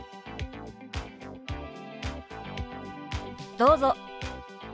どうぞ。